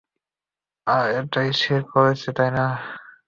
আর এটাই সে করছে, তাই না?